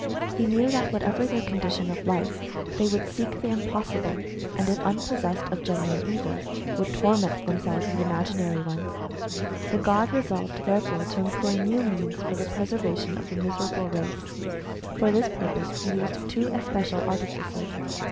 He knew that whatever their condition of life, they would seek the impossible, and if unpossessed of genuine evils, would torment themselves with imaginary ones. The god resolved therefore to employ new means for the preservation of the miserable race. For this pur pose he used two especial artifices.